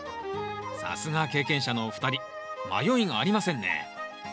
さすが経験者のお二人迷いがありませんね。